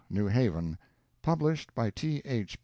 New Haven: published by T. H.